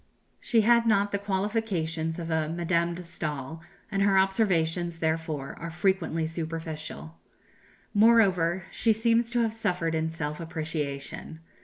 She had not the qualifications of a Madame de Staël, and her observations, therefore, are frequently superficial. Moreover, she seems to have suffered in self appreciation.